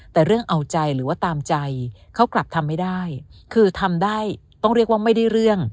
แต่เรื่องเอาใจหรือว่าตามใจเขากลับทำไม่ได้คือทำได้ต้องเรียกว่าไม่ได้เรื่อง